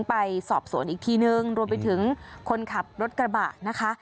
ไปสอบสวนอีกทีนึงรวมไปถึงคนขับรถกระบะนะคะ